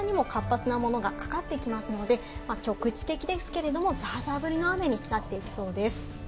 特に夜になるとちょっとこちらにも活発なものがかかってきますので、局地的ですけれどもザーザー降りの雨になっていきそうです。